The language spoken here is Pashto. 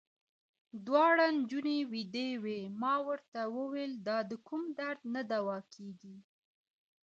دواړې نجونې وېدې وې، ما ورته وویل: دا د کوم درد نه دوا کېږي.